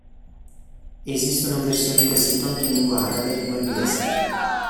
Esistono versioni del sito anche in lingua araba e lingua inglese.